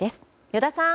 依田さん。